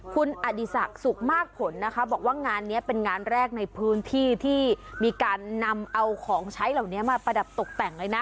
คุณอดีศักดิ์สุขมากผลนะคะบอกว่างานนี้เป็นงานแรกในพื้นที่ที่มีการนำเอาของใช้เหล่านี้มาประดับตกแต่งเลยนะ